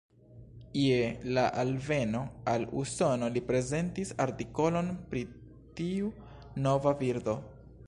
Je la alveno al Usono li prezentis artikolon pri tiu nova birdo.